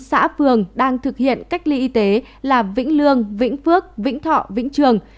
các địa bàn đang thực hiện cách ly y tế là vĩnh lương vĩnh phước vĩnh thọ vĩnh trường